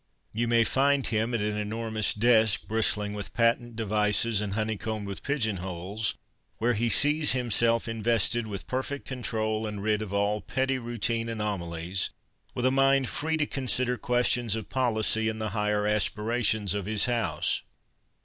You may find him at an enormous desk bristling with patent devices and honeycombed witli pigeon holes, where he sees himself invested with perfect control and rid of all petty routine anomalies, with a mind free to consider questions of policy and the higher aspirations of his house.